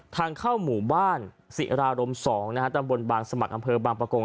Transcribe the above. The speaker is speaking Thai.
ทางเข้าหมู่บ้านสิรารมสองนะฮะตรงบนบางสมัครอำเภอบางประโกง